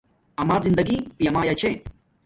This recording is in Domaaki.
آما زندگی پانا پیامایا چھے